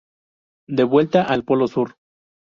De vuelta al polo sur.